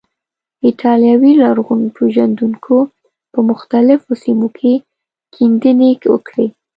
ایټالوي لرغون پیژندونکو په مختلفو سیمو کې کیندنې وکړې.